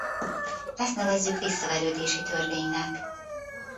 Ezt nevezzük visszaverődési törvénynek.